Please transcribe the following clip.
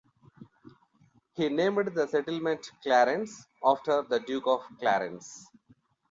He named the settlement Clarence, after the Duke of Clarence.